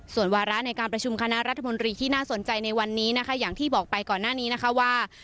ส่วนวาระในการประชุมคณะรัฐมนตรีที่น่าสนใจในวันนี้นะคะอย่างที่บอกไปก่อนหน้านี้นะคะว่า